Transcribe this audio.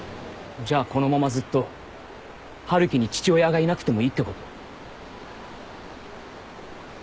じゃあこのままずっと春樹に父親がいなくてもいいってこと？